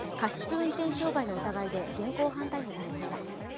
運転傷害の疑いで現行犯逮捕されました。